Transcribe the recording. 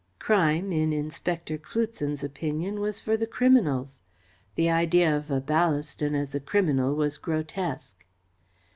Crime, in Inspector Cloutson's opinion, was for the criminals. The idea of a Ballaston as a criminal was grotesque.